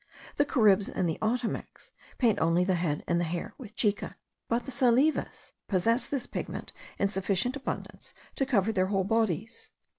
The Caribs and the Ottomacs paint only the head and the hair with chica, but the Salives possess this pigment in sufficient abundance to cover their whole bodies.